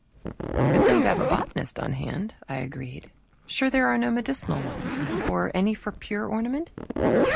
"Good thing to have a botanist on hand," I agreed. "Sure there are no medicinal ones? Or any for pure ornament?"